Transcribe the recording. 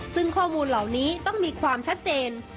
ซึ่งข้อมูลเหล่านี้ต้องมีความชัดเจน